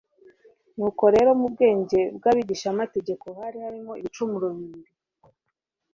Nuko rero mu bwenge bw'abigishamategeko harimo ibicumuro bibiri.